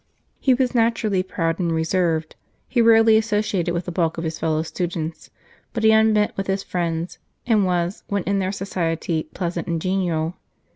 He was naturally proud and reserved, he rarely associated with the bulk of his fellow students ; but he unbent with his friends, and was, when in their society, pleasant and genial.